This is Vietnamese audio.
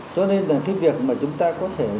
cho nên là cái việc mà chúng ta có thể